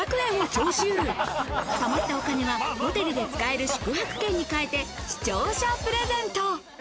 貯まったお金はホテルで使える宿泊券にかえて視聴者プレゼント。